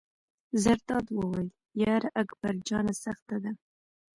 زرداد وویل: یار اکبر جانه سخته ده.